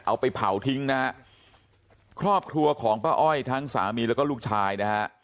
เอาไปเผาทิ้งนะฮะครอบครัวของป้าอ้อยทั้งสามีแล้วก็ลูกชายนะฮะ